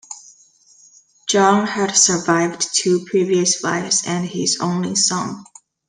John had survived two previous wives and his only son.